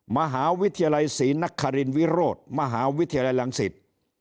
มหาวิทยาลัยศรีนครินวิโรธมหาวิทยาลัยลังศิษย์